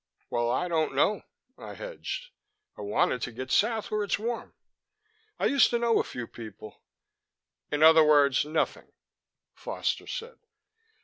"Well, I don't know," I hedged. "I wanted to get south, where it's warm. I used to know a few people " "In other words, nothing," Foster said.